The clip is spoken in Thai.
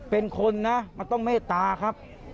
เป็นคนนะมันต้องเมตตาครับ